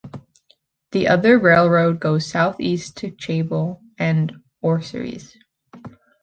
The other railroad goes southeast to Chable and Orsieres.